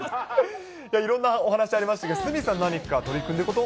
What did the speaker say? いろんなお話ありましたけど、鷲見さん、何か取り組んでいるこ